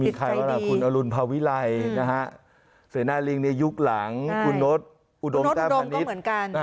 มีใครว่าคุณอลุณภาวิไลนะฮะเสนาลิงในยุคหลังคุณโน๊ตอุดมก็เหมือนกัน